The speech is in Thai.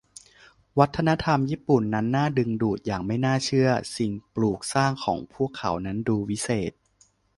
วัฒนธรรมญี่ปุ่นนั้นน่าดึงดูดอย่างไม่น่าเชื่อ สิ่งปลูกสร้างของพวกเขานั้นดูวิเศษ